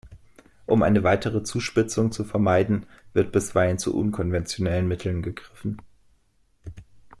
Um eine weitere Zuspitzung zu vermeiden, wird bisweilen zu unkonventionellen Mitteln gegriffen.